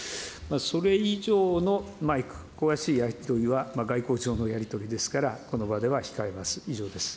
それ以上の詳しいやり取りは外交上のやり取りですから、この場では控えます。